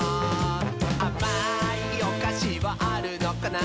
「あまいおかしはあるのかな？」